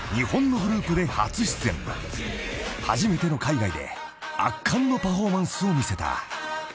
［初めての海外で圧巻のパフォーマンスを見せた］